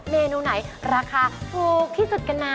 เมนูไหนราคาถูกที่สุดกันนะ